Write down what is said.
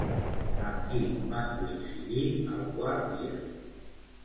Amb qui van coincidir el quart dia?